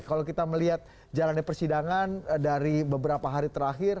kalau kita melihat jalannya persidangan dari beberapa hari terakhir